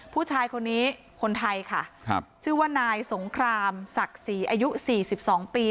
ผู้ชายคนนี้คนไทยค่ะครับชื่อว่านายสงครามศักดิ์ศรีอายุ๔๒ปี